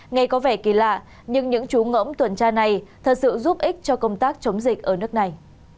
ngày có vẻ kỳ lạ nhưng những chú ngỗng tuần tra này thật sự giúp ích cho công tác chống dịch ở nước này